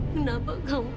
kau ada di rumah